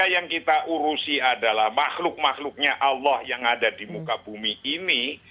nanti adalah makhluk makhluknya allah yang ada di muka bumi ini